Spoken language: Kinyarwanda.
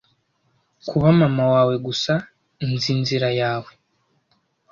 Kuba mama wawe gusa, nzi inzira yawe.